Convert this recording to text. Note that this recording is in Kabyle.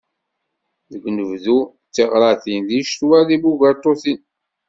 Deg unebdu, d taɣratin. Deg ccetwa, d tibugaṭutin.